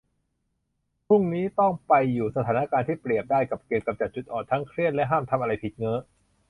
พรุ่งนี้ต้องไปอยู่สถานการณ์ที่เปรียบได้กับเกมกำจัดจุดอ่อน ทั้งเครียดและห้ามทำอะไรผิด เง้อ